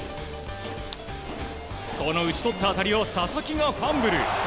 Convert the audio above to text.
この打ち取った当たりを佐々木がファンブル。